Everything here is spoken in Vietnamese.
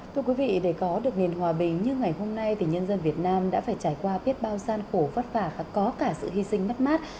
thưa quý vị để có được nền hòa bình như ngày hôm nay thì nhân dân việt nam đã phải trải qua biết bao gian khổ vất vả và có cả sự hy sinh mất mát